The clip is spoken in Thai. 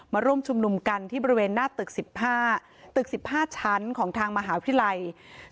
มาร่วมชุมนุมกันที่บริเวณหน้าตึก๑๕ตึก๑๕ชั้นของทางมหาวิทยาลัย